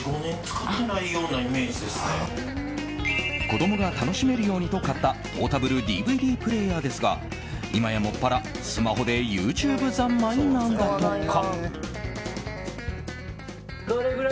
子供が楽しめるようにと買ったポータブルＤＶＤプレーヤーですが今やもっぱらスマホでＹｏｕＴｕｂｅ三昧なんだとか。